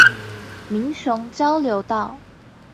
民雄交流道